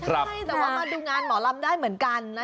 ใช่แต่ว่ามาดูงานหมอลำได้เหมือนกันนะ